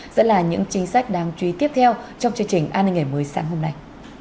sẽ là những chính sách đáng chú ý tiếp theo trong chương trình an ninh ngày mới sáng hôm nay